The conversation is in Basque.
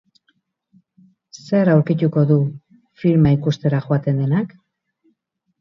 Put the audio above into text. Zer aurkituko du filma ikustera joaten denak?